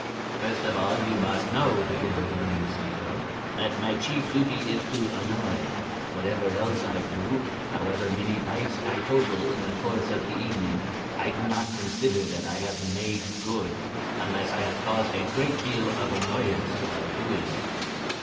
"First of all, you must know," began Lillian Mosquito, "that my chief duty is to annoy. Whatever else I do, however many bites I total in the course of the evening, I do not consider that I have 'made good' unless I have caused a great deal of annoyance while doing it.